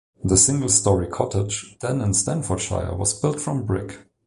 The single-storey cottage, then in Staffordshire, was built from brick.